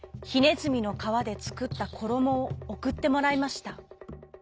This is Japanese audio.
ずみのかわでつくったころもをおくってもらいました。